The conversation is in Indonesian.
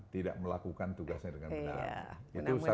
tidak melakukan tugasnya dengan benar